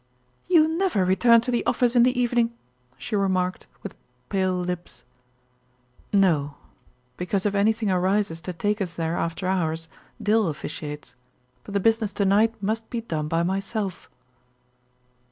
"You never return to the office in the evening," she remarked, with pale lips. "No; because if anything arises to take us there after hours, Dill officiates. But the business to night must be done by myself."